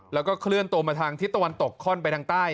แล้วก็เคลื่อนตัวมาทางทิศตะวันตกคล่อนไปทางใต้